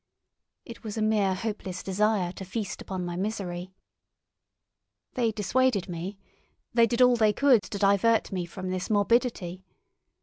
It was a mere hopeless desire to feast upon my misery. They dissuaded me. They did all they could to divert me from this morbidity.